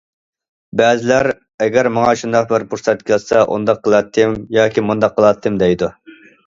بەزىلەر ئەگەر ماڭا شۇنداق بىر پۇرسەت كەلسە ئۇنداق قىلاتتىم ياكى مۇنداق قىلاتتىم دەيدۇ.